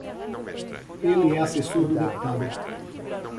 Ele é assessor do deputado.